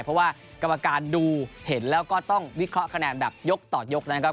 เพราะว่ากรรมการดูเห็นแล้วก็ต้องวิเคราะห์คะแนนแบบยกต่อยกนะครับ